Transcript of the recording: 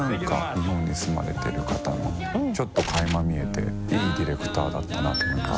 日本に住まれてる方のちょっと垣間見えていいディレクターだったなと思います。